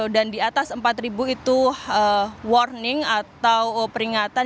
dan diatas empat itu warning atau peringatan